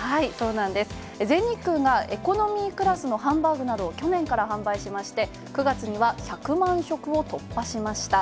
全日空がエコノミークラスのハンバーグなどを去年から販売しまして９月には１００万食を突破しました。